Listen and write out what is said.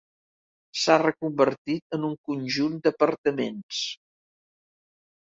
S'ha reconvertit en un conjunt d'apartaments.